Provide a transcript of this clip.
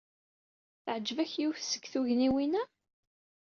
Teɛjeb-ak yiwet seg tugniwin-a?